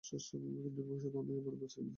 কিন্তু দূর্ভাগ্যবশত, আমি আবারও বেঁচে গেলাম।